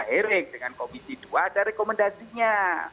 kemudian ketika erik dengan komisi dua ada rekomendasi nya